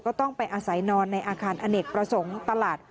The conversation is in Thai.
ก็ต้องไปอาศัยนอนในอาคารอเนกประสงค์ตลาด